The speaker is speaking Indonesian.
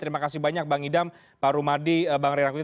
terima kasih banyak bang idam pak rumadi bang ray rangkuti